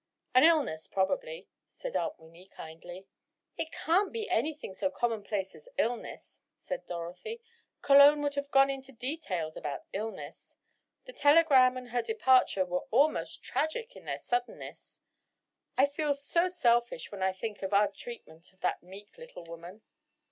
"An illness, probably," said Aunt Winnie, kindly. "It can't be anything so commonplace as illness," said Dorothy. "Cologne would have gone into details about illness. The telegram, and her departure, were almost tragic in their suddenness. I feel so selfish when I think of our treatment of that meek little woman.